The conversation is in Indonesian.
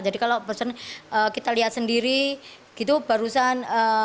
jadi kalau kita lihat sendiri gitu barusan